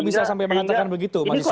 bisa sampai mengatakan begitu mas isnur